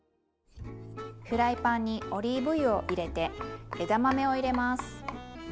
フライパンにオリーブ油を入れて枝豆を入れます。